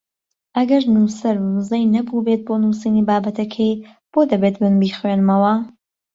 ئەگەر نووسەر ووزەی نەبووبێت بۆ نووسینی بابەتەکەی بۆ دەبێت من بیخوێنمەوە؟